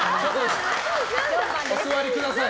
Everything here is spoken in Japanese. お座りください。